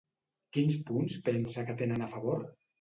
Quins punts pensa que tenen a favor?